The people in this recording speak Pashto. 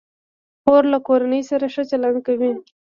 خور له کورنۍ سره ښه چلند کوي.